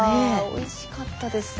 おいしかったです。